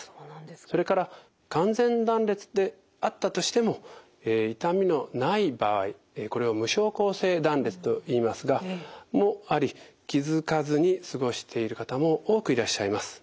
それから完全断裂であったとしても痛みのない場合これを無症候性断裂といいますがもあり気付かずに過ごしている方も多くいらっしゃいます。